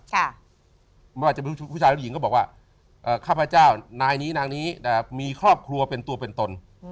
หรือว่าอะทุกเจ้าเนี่ยก็บอกว่าค่ะพระเจ้านายนี้น้านี้มีครอบครัวเป็นตัวเป็นตน